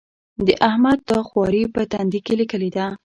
د احمد دا خواري په تندي کې ليکلې ده.